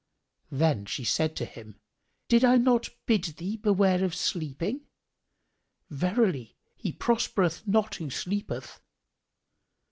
Then said she to him, "Did I not bid thee beware of sleeping? Verily, he prospereth not who sleepeth."